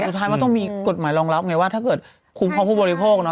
สุดท้ายมันต้องมีกฎหมายรองรับไงว่าถ้าเกิดคุ้มครองผู้บริโภคเน